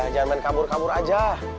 jangan kabur kabur aja